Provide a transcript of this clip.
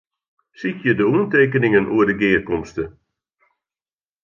Sykje de oantekeningen oer de gearkomste.